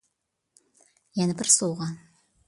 يەنە بىر سوۋغا.